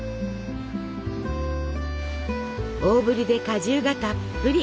大ぶりで果汁がたっぷり。